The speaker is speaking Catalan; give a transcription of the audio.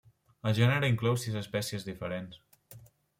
El gènere inclou sis espècies diferents.